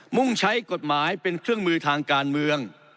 มุ่งใช้กฎหมายเป็นเครื่องมือทางการเมือง